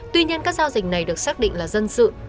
tuy nhiên các giao dịch này được xác định là dân sự